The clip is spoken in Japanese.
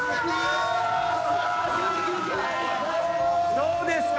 どうですか？